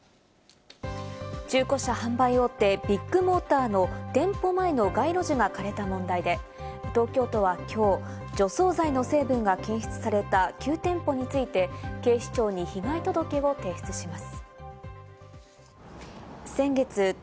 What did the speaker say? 中古車販売大手・ビッグモーターの店舗前の街路樹が枯れた問題で、東京都はきょう、除草剤の成分が検出された旧店舗について、９店舗について、警視庁に被害届を提出します。